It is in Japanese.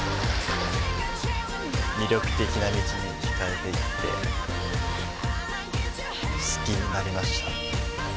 魅力的なミチに引かれていって好きになりました。